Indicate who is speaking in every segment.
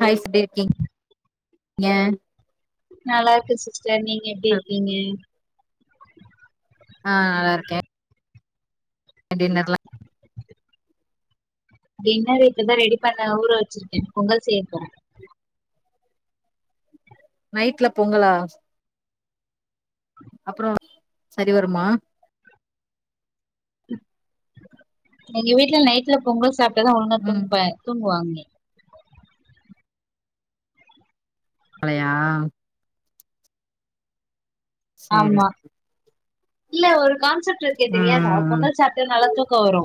Speaker 1: highs packing ஏ
Speaker 2: நல்லா ருக்கு சிஸ்டர் நீங்க எப்டி இருக்கீங்க
Speaker 1: ஆ நல்லா ருக்கே டின்னர்லா
Speaker 2: டின்னர் இப்பதா ரெடி பண்ண ஊற வச்சிருக்கே பொங்கல் செய்யபோறெ
Speaker 1: நைட்ல பொங்களா அப்றோ சரி வருமா
Speaker 2: எங்க வீட்ல நைட்ல பொங்கல் சாப்டதா ஒழுங்கா
Speaker 1: ம்
Speaker 2: தூங்வா தூங்வாங்க
Speaker 1: பழையா சேரி
Speaker 2: ஆமா இல்ல ஒரு கான்செப்ட் ருக்கே தெரியாதா
Speaker 1: ம்
Speaker 2: பொங்கல் சாப்ட நல்ல தூக்க வரு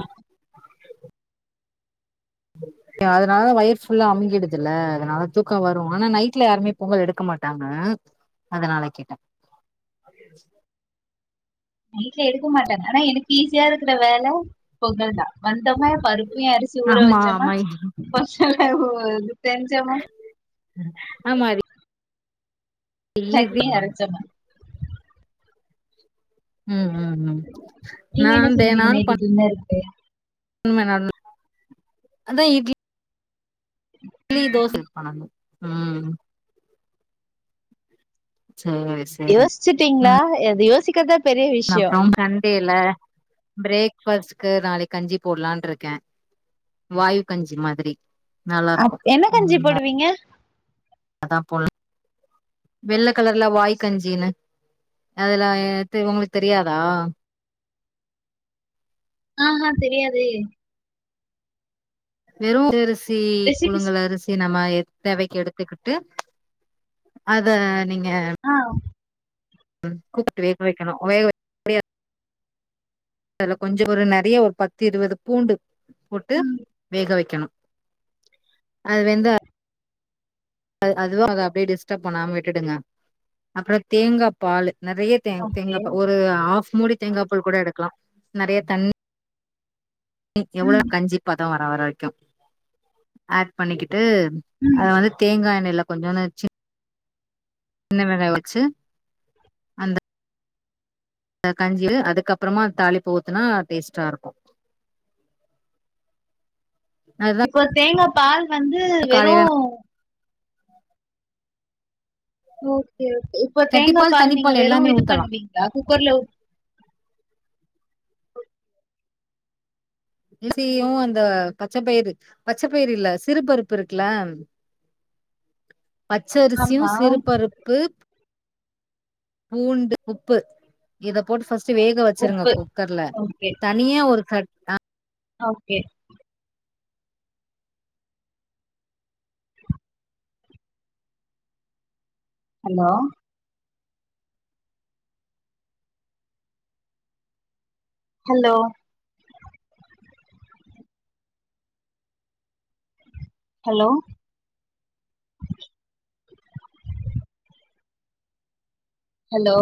Speaker 1: அதனால வயர் ஃபுல்லா அமிங்கிடுதுல்ல அதனால தூக்கொ வரு ஆனா நைட்ல யாருமே பொங்கல் எடுக்க மாட்டாங்க அதனால கேட்ட [inaudible]
Speaker 2: நைட்ல எடுக்க மாட்டாங்க ஆனா எனக்கு ஈஸியா இருக்குற வேல பொங்கல் தா வந்தமா பருப்பையு அரிசி ஊர
Speaker 1: ஆமா
Speaker 2: வச்சமா
Speaker 1: ஆமா
Speaker 2: [unintelligible] செஞ்சமா
Speaker 1: ஆமா அதுக்
Speaker 2: சட்னி அரச்சமா
Speaker 1: உம் உம் உம்
Speaker 2: நீங்க என்ன
Speaker 1: நாந்தே
Speaker 2: செஞ்சீங்க
Speaker 1: நான்னு
Speaker 2: நைட்டு
Speaker 1: ப
Speaker 2: டின்னருக்கு
Speaker 1: உண்மதா அது அதான் இட்லி இட்லி தோச பண்னனும் உம் செரி செ
Speaker 2: யோசிச்சுட்டீங்களா எத யோசிக்கற்த
Speaker 1: அப்றம் சண்டேல பிரேக் ஃபஸ்ட்கு நாளைக்கு கஞ்சி போல்லான் இருக்கேன் வாயு கஞ்சி மாதிரி நல்லாருக்கும் உம்
Speaker 2: ரிங்க
Speaker 1: அதான் போல் வெள்ள கலர்ல வாய்கஞ்சின்னு அதெல்லாம் எ உங்களுக்கு தெரியாதா
Speaker 2: ஆஹா தெரியாதே
Speaker 1: வெறும் அரிசி
Speaker 2: ரெசிபிஸ்
Speaker 1: புலுங்கல அரிசி நம்ம தேவைக்கு எடுத்துக்கிட்டு அத நீங்க
Speaker 2: ஆ
Speaker 1: உ கூப்புட்டு வேக வெக்கணும் வேக அதுல கொஞ்சம் ஒரு நெறைய ஒரு பத்து இருவது பூண்டு போட்டு
Speaker 2: ம்
Speaker 1: வேக வைக்கணும் அது வெந்தா அ அதுவும் அத அப்படியே டிஸ்டர்ப் பண்ணாம விட்டுடுங்க அப்புறம் தேங்காய் பால் நெறைய தேங்
Speaker 2: ஓகே
Speaker 1: தேங்காபா ஒரு ஹாஃப் மூடி தேங்கா பால் கூட எடுக்கலாம் நெறைய தண்ணி ணி எவ்வளோ
Speaker 2: ம்
Speaker 1: கஞ்சிப்பதம் வர வரைக்கும் ஆட் பண்ணிக்கிட்டு அத
Speaker 2: ம்
Speaker 1: வந்து தேங்காய் எண்ணெய எல்லாம் கொஞ்சம் சி சின்ன வெங்காயம் உச்சு
Speaker 2: [inaudible]
Speaker 1: அந்த கஞ்சி அதுக்கப்புறமா தாலிப்பு ஊத்துனா டேஸ்ட்டா இருக்கும் அதா
Speaker 2: இப்போ தேங்கபால் வந்து வெறும் ஓகே ஓகே இப்ப தேங்கா
Speaker 1: கட்டிப்பால்
Speaker 2: பால் நீங்க
Speaker 1: தனிப்பால்
Speaker 2: வெறும்
Speaker 1: எல்லாமே
Speaker 2: இது
Speaker 1: ஊத்தலா
Speaker 2: பண்ணுவீங்களா குக்கர்ல
Speaker 1: அரிசியும் அந்த பச்சைப்பயிர் பச்சப்பயிர் இல்ல சிறு பருப்பு இருக்குல
Speaker 2: [inaudible]
Speaker 1: பச்சரிசியும்
Speaker 2: ஆமா
Speaker 1: சிறுபருப்பு பூண்டு உப்பு இத போட்டு ஃபஸ்ட் வேக வச்சிருங்க
Speaker 2: உப்பு
Speaker 1: குக்கர்ல
Speaker 2: ஓகே
Speaker 1: த னியா ஒரு த
Speaker 2: okay hello hello hello hello